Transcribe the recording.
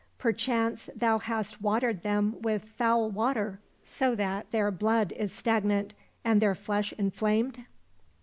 Perchance thou hast watered them with foul water, so that their blood is stagnant, and their flesh inflamed